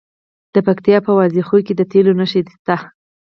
د پکتیکا په وازیخوا کې د تیلو نښې شته.